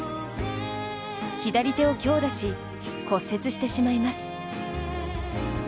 左手を強打し骨折してしまいます。